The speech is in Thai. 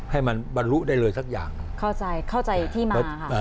ให้มันบรรลุได้เลยสักอย่างเข้าใจเข้าใจที่มาค่ะ